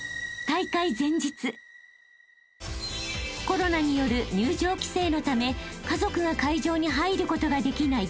［コロナによる入場規制のため家族が会場に入ることができない